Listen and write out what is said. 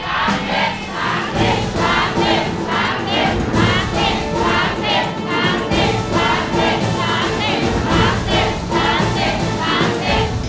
คณะกรรมการทั้งสามสิบคะแนน